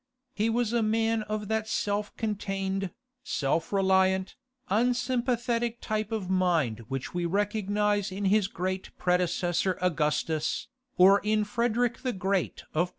He was a man of that self contained, self reliant, unsympathetic type of mind which we recognize in his great predecessor Augustus, or in Frederic the Great of Prussia.